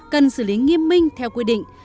cần xử lý nghiêm minh theo quy định